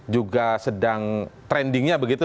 juga sedang trendingnya begitu